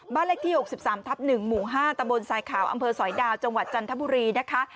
เลขที่๖๓ทับ๑หมู่๕ตะบนสายขาวอำเภอสอยดาวจังหวัดจันทบุรีนะคะ